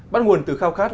bắt nguồn từ khao khát